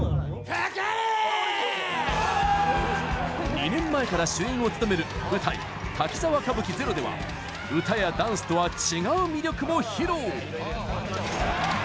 ２年前から主演を務める舞台滝沢歌舞伎ＺＥＲＯでは歌やダンスとは違う魅力も披露！